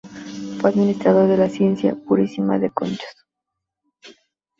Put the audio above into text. Fue administrador de la hacienda Purísima de Conchos.